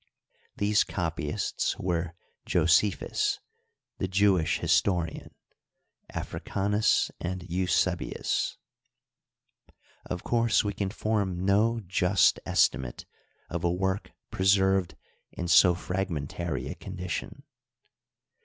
These copy ists were fosephus, the Jewish historian, Africanus and Eusebius, Of course, we can form no just estimate of a work preserved in so fragmentary a condition.